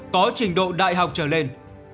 có trình độ đại học trở lên